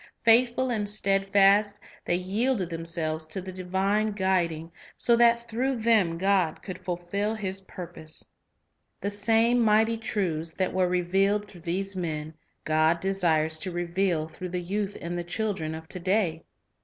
Faithful and steadfast, they yielded themselves to the divine guiding, so that through them God could fulfil His purpose. The same mighty truths that were revealed through these men, God desires to reveal through the youth and the children of to day.